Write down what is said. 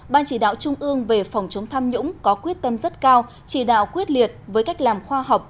ban chỉ đạo trung ương về phòng chống tham nhũng có quyết tâm rất cao chỉ đạo quyết liệt với cách làm khoa học